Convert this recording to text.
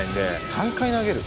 ３回投げる？